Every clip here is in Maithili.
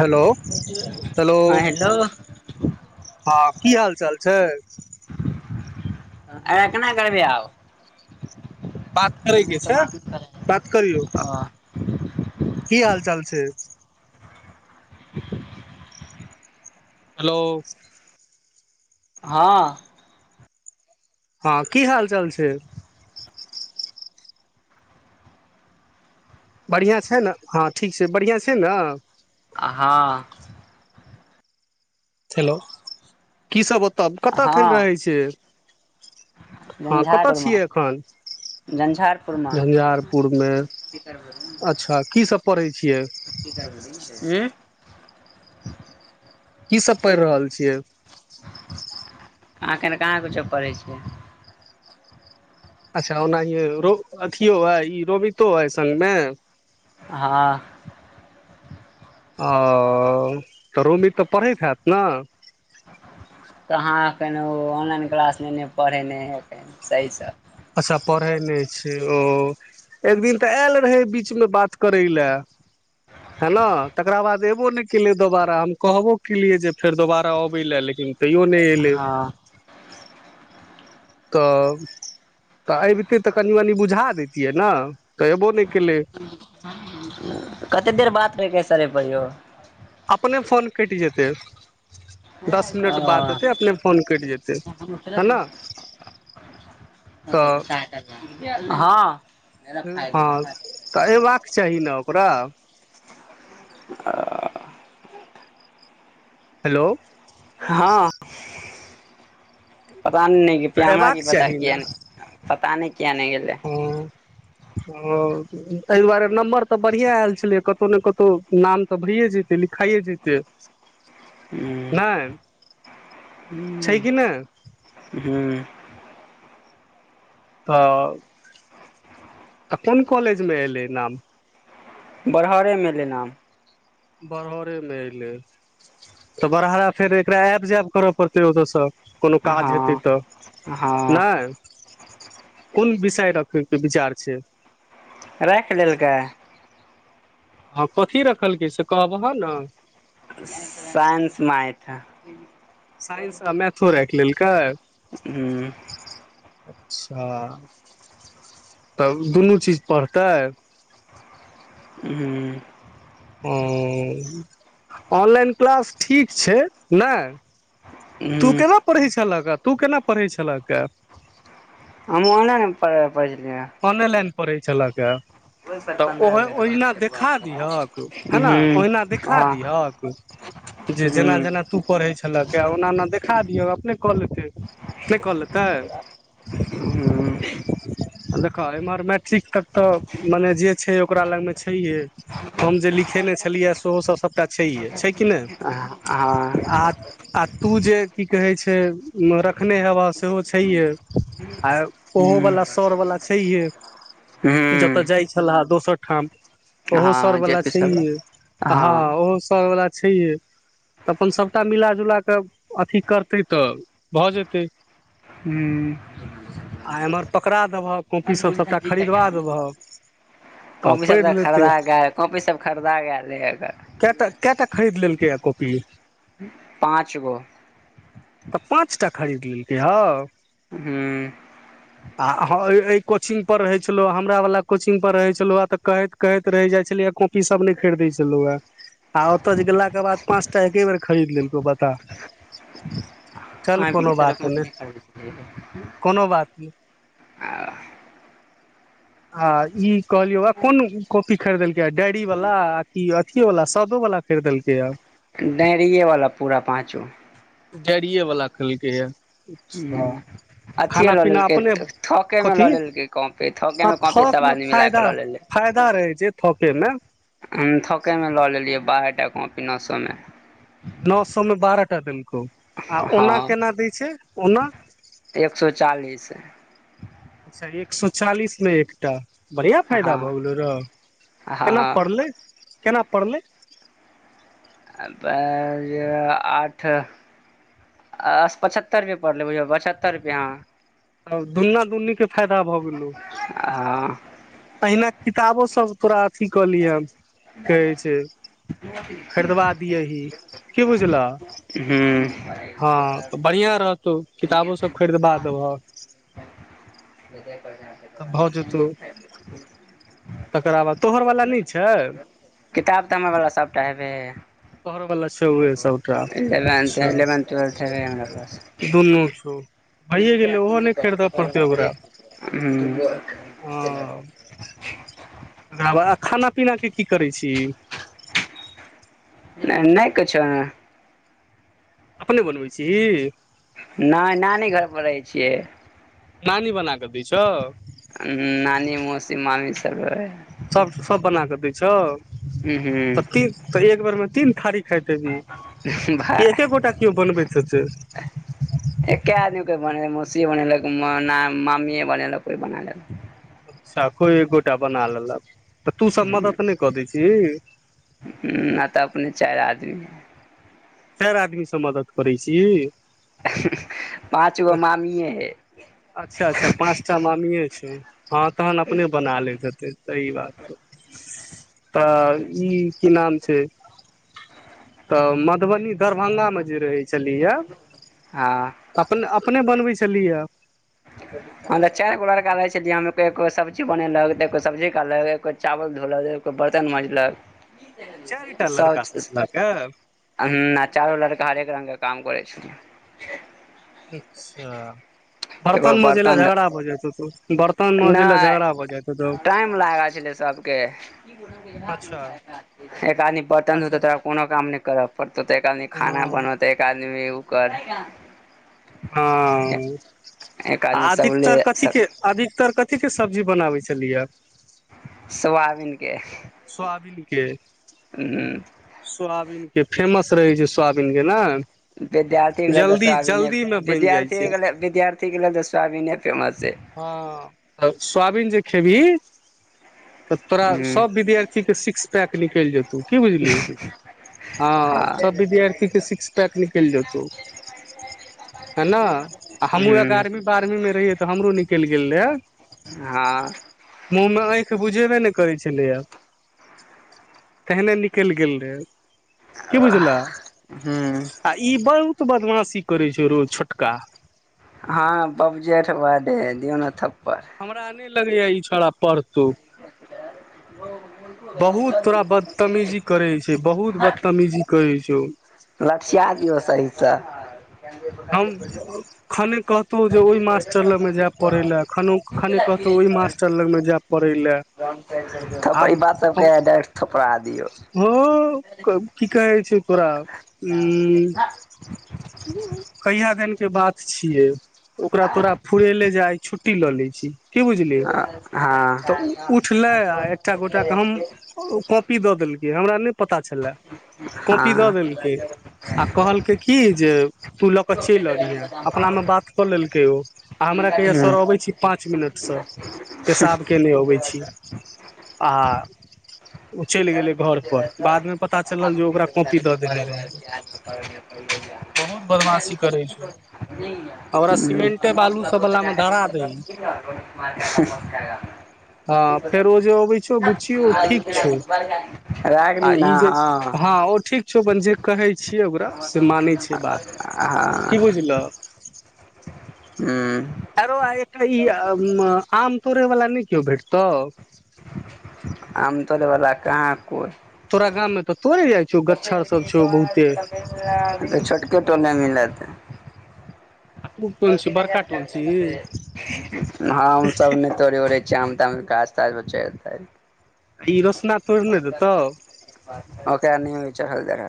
हेलो हेलो हँ हेलो हँ की हाल चाल छै आ केना करबै आब बात करै ह के तऽ छै बाज बात करियौ करै ह की हाल चाल छै [inaudible] हेलो हँ हँ की हाल चाल छै बढ़िआँ छै ने हँ ठीक छै बढ़िआँ छै ने हाँ हेलो कीसभ ओतब कतय हँ खेल रहै छिय हँ कतय झंझारपुरमे छियै एखन झंझारपुरमे झंझारपुर मे अच्छा की सब पढ़ै छियै ह की सब पढ़ि रहल छियै आखन कहाँ कूछो पढ़ै छियै अच्छा ओनाहि रो अथियो हइ ई रोहितो हइ संगमे हँ ओ तऽ रोमी तऽ पढ़ैत हैत ने कहाँ एखन ओ ऑनलाइन क्लास नहि नहि पढ़ै नहि हइखन सहीसँ अच्छा पढ़ै नहि छै ओ एक दिन तऽ आयल रहै बीचमे बात करय लए हाँ तकरा बाद अयबो नहि केलै दोबारा हम कहबो केलियै जे फेर दोबारा अबै लए लेकिन तैयो नै एलै हँ तऽ तऽ अबितै तऽ कनि मनि बुझा देैतियै ने तऽ एयबो नहि केलै कतेक देर बात भेलया सर एहि पर यौ अपने फोन कैट जेतै दस मिनट बाद हँ हेतै अपने फोन कैट जेतै है ने [inaudible] हाँ हँ तऽ अयबाक चाही ने ओकरा आ हेलो हँ पता नहि तऽ हमरा अयबाक की पता चाही ने किया नहि गेलै ह एहि दुआरे नम्बर तऽ बढ़िया आयल छलियै कतहु ने कतहु नाम तऽ भइए जेतै लिखाइए जेतै नहि ह छै कि ह नहि हुँ तऽ तऽ कोन कॉलेजमे एयलै नाम बरहरे मे लेनााम बरहरेमे एयलै तऽ बड़हारा फेर एकरा आबि जायब करय पड़तै ओतयसँ कोनो काज हेतै हँ तऽ हँ नहि कोन विषय रखयके विचार छै राखि लेलकै हँ कथी रखलकै से कहबह ने साइंस मैथ साइंस आ मैथो राखि लेलकै हूँ अच्छा तब दुनू चीज पढ़तै ह्म ओ हुंम ऑनलाइन क्लास ठीक छै नहि तू हूँ केना पढ़ै छलह हे तू केना पढ़ै छलह हे हम ओना ने प पढ़िै पड़ै छल के तऽ ओह ओहिना देखा दिहक ह ने हूँ ओहिना देखा हँ दिहक जे हूँ जेना हूँ जेना तू पढ़ै छलक ओना ओना देखा दियौ अपने क लेतै के क लेतै देखह एमहर मैट्रिक तक तऽ मने जे छै ओकरा लग मे छैहे हम जे लिखेने छलियै सेहो सभ सभटा छैहे छै कि नहि हँ आ आ तू जे की कहै छै मे रखने हेब सेहो छैय अ ओहो हूँ वला आओर वाला छैहे हूँ जतय जाइ छह दोसर ठाम ओहो हँ जे सरवला पी सर छैहै हँ ओहो सरवला छैहै तऽ अपन सभटा मिलााजुला कऽ अथिी करतै तऽ भऽ जेतै ह्म आ एम्हर पकड़ा देबहक कॉपीसभ सभटा खरीदवा देबहक कॉपी सब तऽ पढ़ि लेतै खरीदा कॉपी सब खरीदा कए टा खरीद लेलकैए कॉपी पाँच गो तऽ पाँच टा खरीद लेलकै हँ हूँ आ एहि कोचिंग पर रहै छलो हमरा वला कोचिंग पर रहे छलो आ तऽ कहैत कहैत रहि जाइत छल कॉपी सब नहि खरीदै छलैया हे आ ओतय जे गेलाके बाद पाँच टा एके बेर खरीद लेलको बता चल कोनो बात नहि कोनो [unintelligible] [inaudible] आ ई कहलियौ वा कोन कॉपी खरीदलकै डायरी बला आ कि अथियो सदो बला खरिदलकैया डांरिए वाला पूरा पाँचो डैरिये बला ख लेलकैया अच्छा अथिे लऽ लेलकै थकेमे कथी लऽ लेलकै कॉपी हँ थकेमे कॉपी थोक सब मे आदमी मिला फायदा के लऽ लेले फायदा रहै छै थोकेमे थकेमे लऽ लेलियै बाहर टा प नसोमे नओ सौमे बारहटा देलकौ आ ओना हँ केना दै छै ओना एक सए चालीस अच्छा एक सए चालीस मे एकटा बढ़िआँ हँ फायदा भऽ गेलौ रौ केना हँ पड़लै केना पड़लै ब आठ अस पचहत्तर रुपए पड़लेै भइया पचहत्तर रुपए हॅ तब दुन्ना दुन्नीके फायदा भऽ गेलौ हँ अहिना किताबो सब तोरा अथी कऽ लियहन कहैइ छैइ [unintelligible] की बुझल' हूँ हँ तऽ बढ़िआँ रहतौ किताबोसभ खरीदबा देब'ह ओ त तऽ भऽ जेतौ तकराबाद तोहर वाला नई छौ किताब तऽ हमरा बला सबटा हेबे तोहर बला छौहे सबटा इलेवेन्थ इलेवेन्थ ट्वेल्थ हेबे है हमरा पास चल दुनू छौ भैए गेलैइ ओहो नई खरीदय पड़तै ओकरा हुं रबा आ खाना पीनाके की करैइ छीही नई किछो एं अपने बनबै छीहीं नै नानी घर पर रहै छियै नानी बना क नानी मौसी मामी सबै दैइ छौ त हूँ ती एक बेर में तीन थारी खाइत हेबही कि भाय एके गोटा केओ बनबैत हेतय एके आदमी कोइ बने मौसीये बनेलक म ना मामीए बनेलक कोइ बना लेले अच्छा कोई एक गोटा बना लेलक तऽ तू सब मदद नई कऽ दैइ छिही चाइर आदमी चाइर आदमी से मदद करै छीहीं पाँच गो मामीए हइ अच्छा अच्छा पाँचटा मामिए छै हँ तहन अपने बना लैत हेतै सही बात तऽ ई की नाम छैइ तऽ मर दरभंगा में जे रहैइ छलहिअ हँ अपने अप अपने बनबैइ छलिहअ हं तऽ चार गो लड़का रहैइ छली हम कहियो कोई सब्जी बनेलक कोइ सब्जी काटल कोई चावल धोलक एगो कोई बर्तन माँजलक चारि टा सब लड़का से च छलाके ना चारू लड़का हरेक रंगग काम करै छलिअइ अच्छा बर्तन मजै लए झगड़ा भ जाइ छै बर्तन मज लेल नहि झगड़ा भऽ जाइ टाइम लागल छलैइ सबके अच्छा एक आदमी बरतन अच्छा धोतैइ त कोनो काम नै कर' पड़तो तऽ एक आदमी खाना हँ बनो त एक आदमी उ कर हां एक आ आदमी सबले अधिकतर कथी के अधिकतर क थी के सब्जी बनाबै छलिहं सोयाबीनके सोआबिन के हूंअ् सोयाबीन के फेमस रहैइ छै सोयाबीन के ना विद्यार्थीे लेल द सोआबिन मे बनि जाइ विद्यार्थीे छै लेल विद्यार्थीे लेल त सोयाबीने फेमस छै हँअ् आ सोयाबीन जे खेबही तऽ तोरा हूँ सब विद्यार्थी के सिक्स पैक निकलि जेतौ की बुझली [unintelligible] हँ सभ विद्यार्थीके सिक्स पैक निकलि जेतौ है ना आ हमू हूँ एगारहवी बारहवीं में रहियै तऽ हमरो निक निकैल गेल रहैइ हँ मूंह में आंईख बुझेबे नहि करै छलैय एहने निकलि गेल रहै की बुझला हूँ आ ई बहु त बदमासी करै छै रौ छोटका हाँ बप जेठ ब दे दियौ ने थप हमरा नहि लगैए ई छोड़ा पढ़तौ बहुत तोरा बदतमीजी करै छै बहुत बदतमीजी करै छै लठया दिऔ सहीसे हम खने कहतहु जे ओहि मास्टर लगमे जायब पढ़ै ले खने कहतहु ओइ मास्टर लगमे जायब पढ़ै लए थड़ ई बात सबट थोपड़ा हाँ कि कहै छै ओकरा ह्म कहिया दिन के बात छिये ओकरा तोरा फुरेले जे आइ छुट्टी लऽ लै छी की बुझलि हँ तऽ हँ उठलै आ एकटा गोटाके हम कॉपी दऽ देलकै हमरा नहि पता छलै कॉपी दऽ देलकै आ कहलकै की जे तू लऽ के चलि आबिहे अपना मे बात कऽ लेलकै ओ आ हमरा कहैया सर अबै छी पाँच मिनट स पेशाब केने अबैछी आ उ चल गैलयै पर बादमे पता चलल जे ओकरा कॉपी द देने रहै बहुत बदबमास चिकरै छौ ओकरा सीमेंटे बालू सब वला मे धरा दही [unintelligible] हँ फेर ओ जे अबै छौ बुच्ची ओ ठीक छौ [unintelligible] आ न ई जे हँ हाँ ओ ठीक छौ अपन जे कहै छी से ओकरा से मानै छै बात की बुझलहक हुं एंरौ आ एकटा ई आम तोड़े वला नहि कियो भेट तौ तोलैवला कहाँ कोई गाम मे तऽ तोड़े जाइ छौ गच्छर सब छौ बहुते छोटकेतो नहि मिलत [unintelligible] आ तू ह कोन छी बड़का टोन छी सब ने तोड़ै ओरै छी आम त साल बच्चातै ई रोसना तोड़ि ने देतौ ओक आ नहि विचार हलदर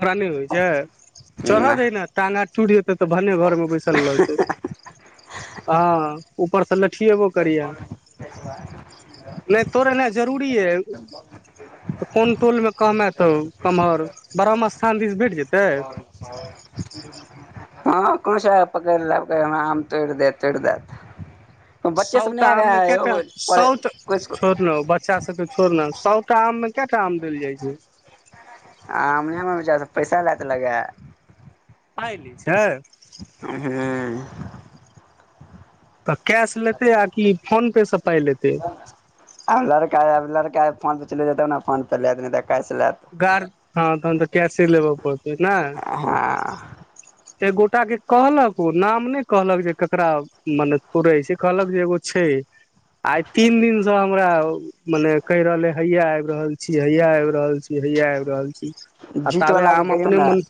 ओकरा नहि होइ छै चढ़ऽ नहि दही ने टांग हाथ टूट जेतै तऽ भने घर मे बैसल रहतौ [inaudible] हाँ तऽ कोना नहि तोरनाई जरूरी यए तऽ कोन टोल मे कमे हतो कम्हर ब्रह्म स्थान दिस भेट जेतै [unintelligible] ह खुश है पकड़ लेते कहय छै आम तोड़ देय तोड़ देय सौता आममे केटा सौत छोड़लउ बच्चा सबके छोड़ना सौटा आममे कए टा आम देल जाइ छै आमनेमे चार पैसा ल त लगै पाइ देय छै हूँ तऽ कैश लेते आ कि फोन पे से पाइ लेतैय आब लड़का आब लड़का आ फोन प चलत ने फोन पर ले गार हँ तह तऽ कैश से लेब हाँ एक गोटा के कहलक ओ नाम ने कहलक जे केकरा मने पुरे से कहलक जे एगो छै ह आइ तीन दिनसँ हमरा मने कहि रहले हैया आबि रहल छी हैया आबि रहल छी हैया आबि रहल छी जीत ताबे वला के हम कहियौ अपने ने मोने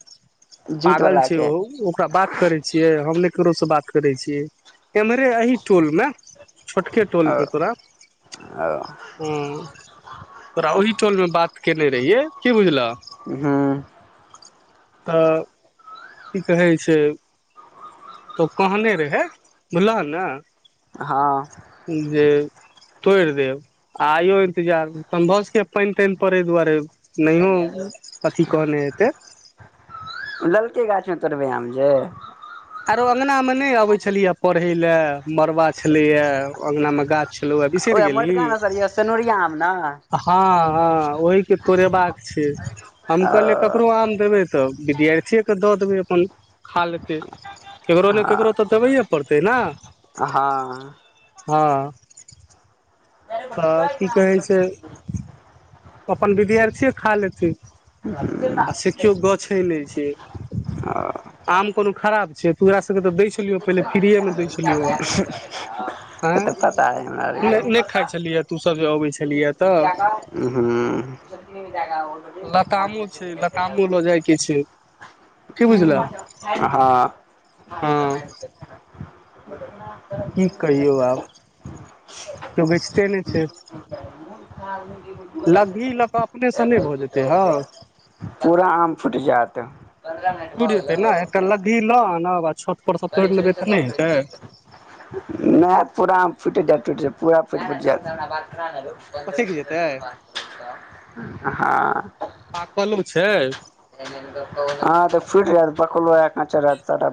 जीत पागल वला छी हयौ के ओकरा बात करै छियै हम नय ककरोसँ बात करैय छियै एम्हरे एह टोल मे छोटके टोल ओ पे तोरा ओ तोरा ओहि टोल में बात केने रहिये की बुझलह हँ तऽ की कहै छै तऽ कहने रहै बुझलह हँ ने जे तोड़ि देब आइयो इन्तजार समभषके पानि तानि पड़ै दुआरे नहियो अथी कहने हेतै उतरब्यायाम जे आरो अंगना मे नहि अबैत छलियए पढ़ै लए मरबा छलैएा अंगनामे गाछ चलू अ बिसेर ओह गेली मोटका ने सर य सनोरिया आम ने हँ हँ ओहि के तोड़ेबाक छै हम कहलियै अ ककरो आम देबै तऽ विद्यार्थिएके दऽ देबै अपन खा लेतै [inaudible] केकरो ने ककरो तऽ देबैए पड़तै ने हँ हँ तऽ की कहै छै अपन विद्यार्थी खा लेती आ से केओ गछय नहि छै आम कोनो खराब छै तोरा सबकेऽ बै छलिय पहिले फ्रीए मे दै छलियौ से हँ तऽ पता हइ नहि खाइ छलियै तूस जे आबय छिहि ह्म लतामो छै लतामो लऽ जाइके छै की बुझलह हँ हँ [inaudible] की कहियौ आब केओ बेचिते नहि छै [inaudible] लगी लऽ कऽ अपनेसँ नहि भऽ जेतै हँ पूरा आम फूट जाएत ब छो च मै पूरा फुटि जातुट जात पूरा फुटुटि जायत पसैक जेतै हँ पाकलो छै हँ तऽ फिट रहत पकल काँच रहत त